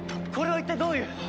これは一体どういう？